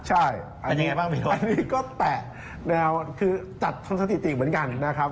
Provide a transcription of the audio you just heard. ใช่อันนี้ก็แตะแนวคือจัดทำสถิติเหมือนกันนะครับ